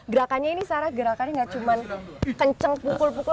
gerakannya ini sarah gerakannya tidak cuma kencang pukul pukul